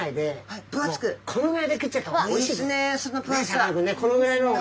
このぐらいの方が。